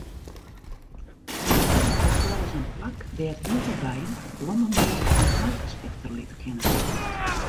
In bijehotel is in plak dêr't wylde bijen blommemoal en aaikes efterlitte kinne.